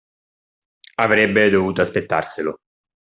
Avrebbe dovuto aspettarselo.